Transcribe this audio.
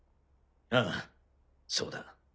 あぁそうだ。